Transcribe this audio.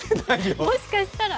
もしかしたら。